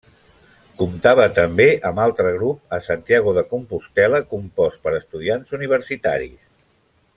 Comptava també amb altre grup a Santiago de Compostel·la compost per estudiants universitaris.